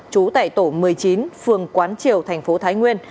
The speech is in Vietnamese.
trú tại tổ một mươi chín phường quán triều thành phố thái nguyên